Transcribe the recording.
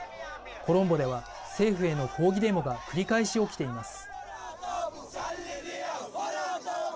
コロンボでは政府への抗議デモが繰り返し起きています。